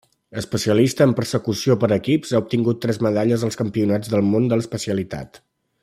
Especialista en Persecució per equips, ha obtingut tres medalles als Campionats del món de l'especialitat.